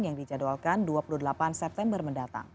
yang dijadwalkan dua puluh delapan september mendatang